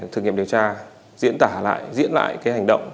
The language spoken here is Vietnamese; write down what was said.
thử nghiệm điều tra diễn tả lại diễn lại cái hành động